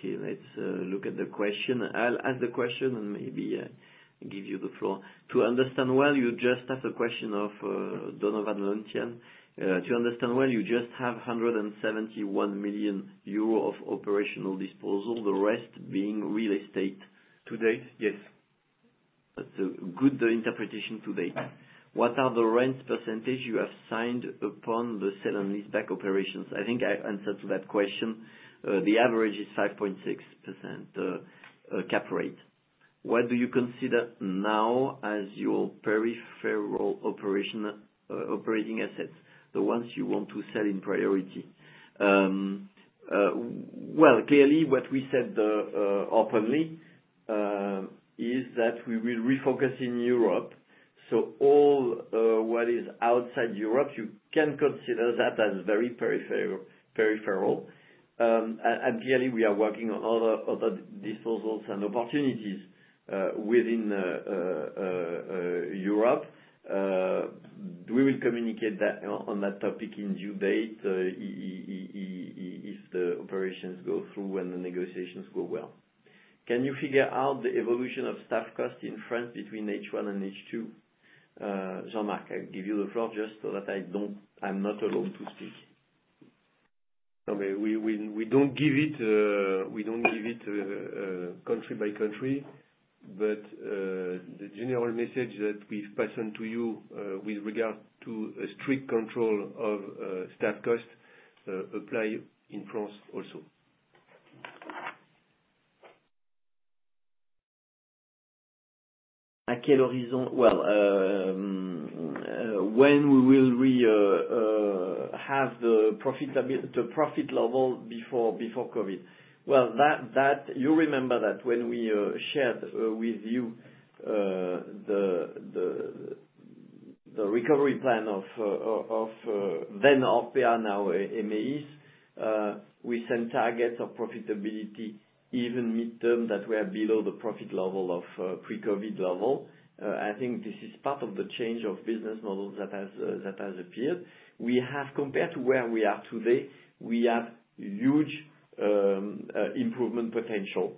Okay. Let's look at the question. I'll ask the question and maybe give you the floor. To understand well, you just have a question of Donovan Lentian. To understand well, you just have 171 million euro of operational disposal, the rest being real estate. To date, yes. That's a good interpretation to date. What are the rent percentages you have signed upon the sale-and-leaseback operations? I think I answered to that question. The average is 5.6% cap rate. What do you consider now as your peripheral operating assets, the ones you want to sell in priority? Clearly, what we said openly is that we will refocus in Europe. All what is outside Europe, you can consider that as very peripheral. And clearly, we are working on other disposals and opportunities within Europe. We will communicate on that topic in due time if the operations go through and the negotiations go well. Can you figure out the evolution of staff costs in France between H1 and H2? Jean-Marc, I'll give you the floor just so that I'm not alone to speak. I mean, we don't give it country by country, but the general message that we've passed on to you with regard to strict control of staff costs applies in France also. At what horizon? When will we have the profit level before COVID? You remember that when we shared with you the recovery plan of then Orpea, now emeis, we sent targets of profitability even midterm that were below the profit level of pre-COVID level. I think this is part of the change of business models that has appeared. Compared to where we are today, we have huge improvement potential.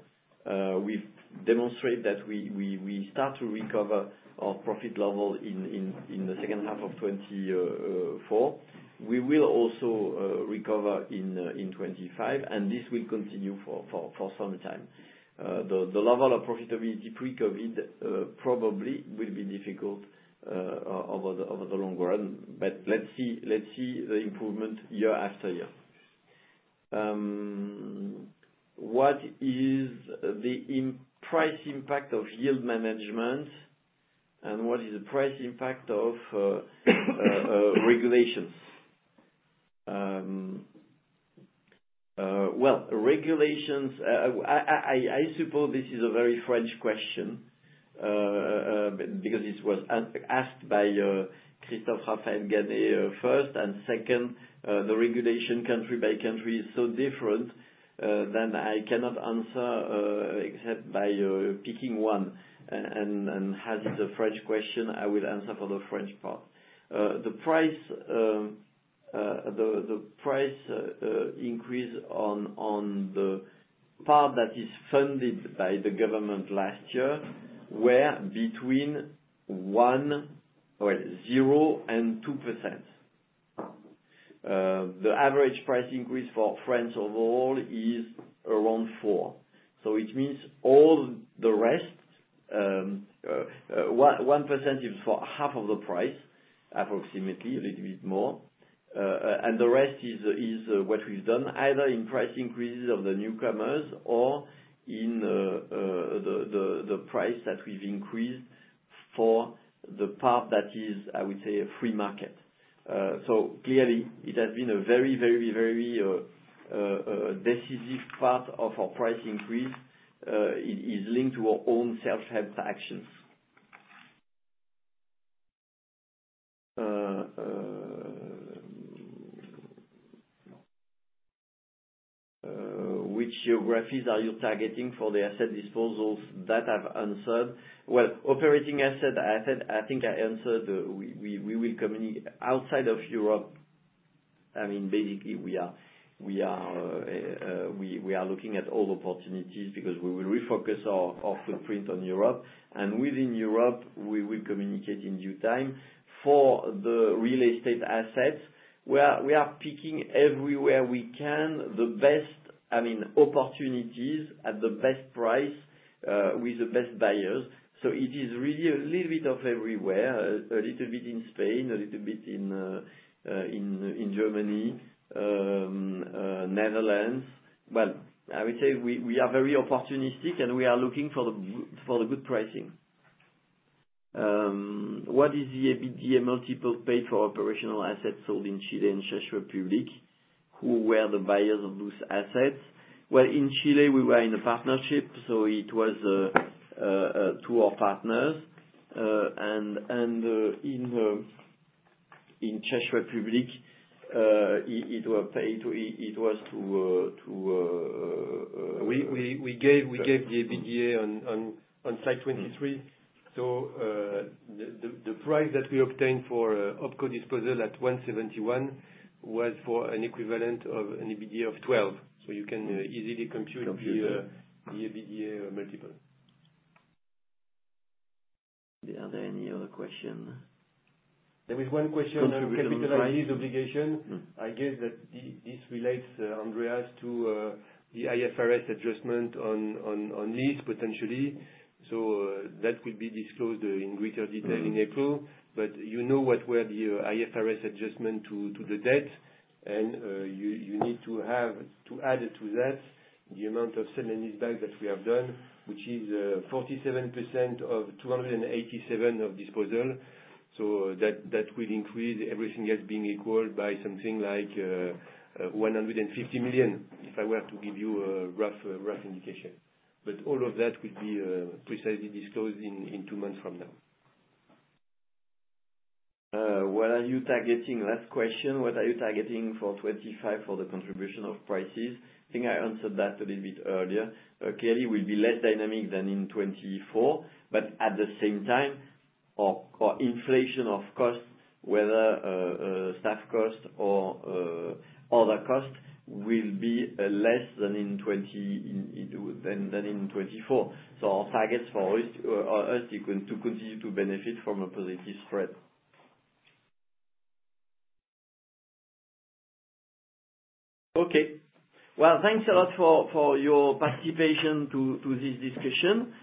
We've demonstrated that we start to recover our profit level in the second half of 2024. We will also recover in 2025, and this will continue for some time. The level of profitability pre-COVID probably will be difficult over the long run, but let's see the improvement year after year. What is the price impact of yield management, and what is the price impact of regulations? Regulations, I suppose this is a very French question because it was asked by Christophe-Raphaël Ganet first. Second, the regulation country by country is so different that I cannot answer except by picking one. As it's a French question, I will answer for the French part. The price increase on the part that is funded by the government last year was between 0% and 2%. The average price increase for France overall is around 4%. It means all the rest 1% is for half of the price, approximately a little bit more. The rest is what we've done, either in price increases of the newcomers or in the price that we've increased for the part that is, I would say, a free market. Clearly, it has been a very, very, very decisive part of our price increase. It is linked to our own self-help actions. Which geographies are you targeting for the asset disposals that I've answered? Operating asset, I think I answered we will communicate outside of Europe. I mean, basically, we are looking at all opportunities because we will refocus our footprint on Europe. And within Europe, we will communicate in due time. For the real estate assets, we are picking everywhere we can the best, I mean, opportunities at the best price with the best buyers. So it is really a little bit of everywhere, a little bit in Spain, a little bit in Germany, Netherlands. I would say we are very opportunistic, and we are looking for the good pricing. What is the EBITDA multiple paid for operational assets sold in Chile and Czech Republic? Who were the buyers of those assets? In Chile, we were in a partnership, so it was to our partners. And in Czech Republic, it was to. We gave the EBITDA on Slide 23. So the price that we obtained for Opco disposal at 171 million was for an equivalent of an EBITDA of 12 million. So you can easily compute the EBITDA multiple. Are there any other questions? There was one question on capital and lease obligation. I guess that this relates, Andreas, to the IFRS adjustment on lease potentially. So that will be disclosed in greater detail in April. But you know what were the IFRS adjustment to the debt. And you need to add to that the amount of sale-and-leaseback that we have done, which is 47% of 287 million of disposal. So that will increase everything else being equal by something like 150 million, if I were to give you a rough indication. But all of that will be precisely disclosed in two months from now. What are you targeting? Last question. What are you targeting for 2025 for the contribution of prices? I think I answered that a little bit earlier. Clearly, it will be less dynamic than in 2024. But at the same time, our inflation of costs, whether staff costs or other costs, will be less than in 2024. So our targets for us to continue to benefit from a positive spread. Okay. Well, thanks a lot for your participation to this discussion.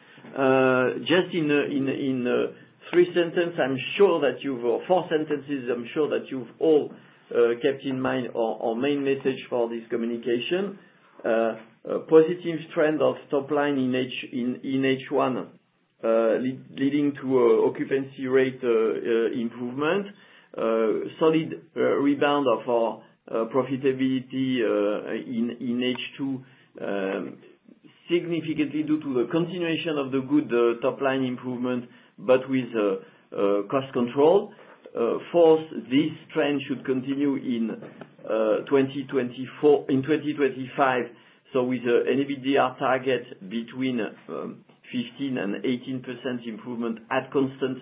Just in three sentences, I'm sure that you've or four sentences, I'm sure that you've all kept in mind our main message for this communication. Positive trend of top line in H1 leading to occupancy rate improvement. Solid rebound of our profitability in H2 significantly due to the continuation of the good top line improvement, but with cost control. For us, this trend should continue in 2025. With an EBITDA target between 15% to 18% improvement at constant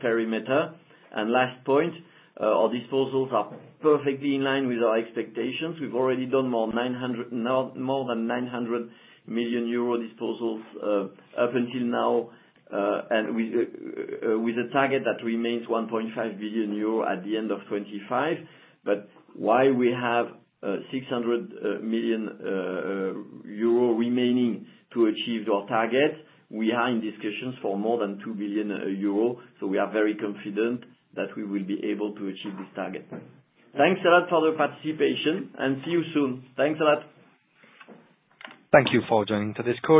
perimeter. Our disposals are perfectly in line with our expectations. We've already done more than 900 million euro disposals up until now, with a target that remains 1.5 billion euro at the end of 2025. While we have 600 million euro remaining to achieve our target, we are in discussions for more than 2 billion euro. We are very confident that we will be able to achieve this target. Thanks a lot for the participation, and see you soon. Thanks a lot. Thank you for joining today.